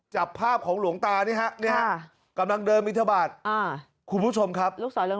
จับภาพของหลวงตานี่ฮะกำลังเดินมิถาบาทคุณผู้ชมครับ